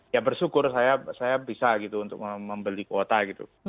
ya bersyukur saya bisa gitu untuk membeli kuota gitu